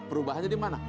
perubahannya di mana